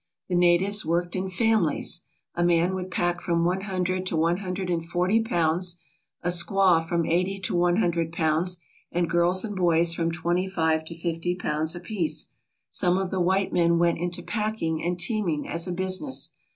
The natives worked in families. A man would pack from one hundred to one hundred and forty pounds, a squaw from eighty to one hundred pounds, and girls and boys from twenty five to fifty pounds apiece. Some of the white men went into packing and teaming as a business.